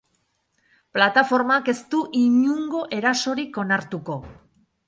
Plataformak ez du inungo erasorik onartuko!